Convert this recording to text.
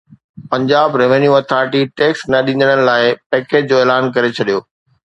Punjab revenue authority tax نه ڏيندڙن لاءِ پيڪيج جو اعلان ڪري ڇڏيو